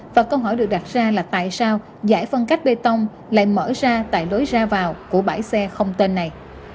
và câu hỏi được đặt ra là tại sao giải phân cách bê tông lại mở ra tại lối ra vào của bãi xe không tên này